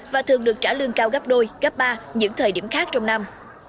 và thường được trả lương cao gấp đôi gấp ba những thời điểm khác trong năm